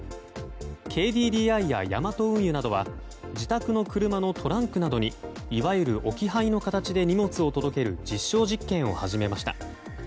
ＫＤＤＩやヤマト運輸などは自宅の車のトランクなどにいわゆる置き配の形で荷物を届ける実証実験を始めました。